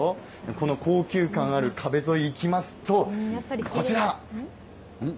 この高級感ある壁沿い行きますと、こちら。